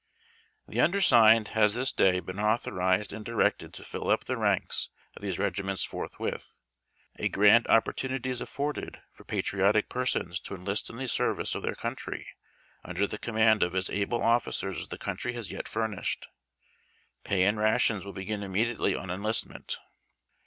The undersigned has this day beon authorized and direoted tr> fill up the ranks of these reginu nts furthwith. A grand (iiii>i>rtuiiity is atforded for patriotic persons to enlist in tlie service of their country under the coni mand of as able officers as the country has yet furnished. Pay and rations will begin immediately on enlistment.